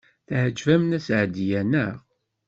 Teɛjeb-am Nna Seɛdiya, naɣ?